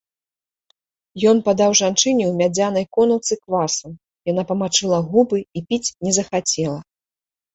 Ён падаў жанчыне ў мядзянай конаўцы квасу, яна памачыла губы і піць не захацела.